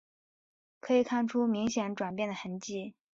可以看出明显转变的痕迹